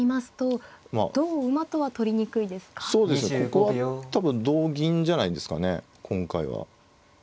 ここは多分同銀じゃないんですかね今回は。